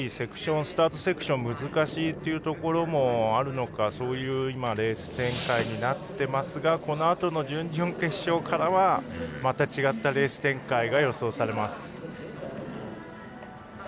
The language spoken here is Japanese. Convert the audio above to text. スタートセクションが難しいというところもあるのかそういうレース展開になっていますがこのあとの準々決勝からはまた違ったレース展開が予想されます。